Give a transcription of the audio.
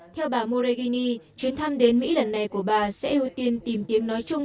theo bà moregini chuyến thăm đến mỹ lần này của bà sẽ ưu tiên tìm tiếng nói chung